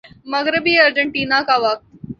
مغربی ارجنٹینا کا وقت